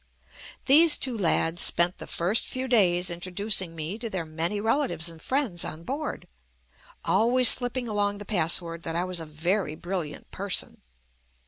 These two lads spent the first few days in troducing me to their many relatives and friends on board, always slipping along the password that I was a very brilliant person.